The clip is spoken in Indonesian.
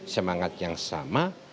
semangat yang sama